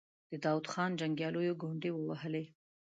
د داود خان جنګياليو ګونډې ووهلې.